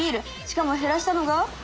しかも減らしたのが。